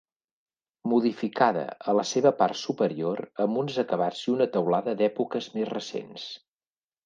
Modificada a la seva part superior amb uns acabats i una teulada d'èpoques més recents.